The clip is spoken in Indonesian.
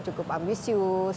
jadi bagaiman juga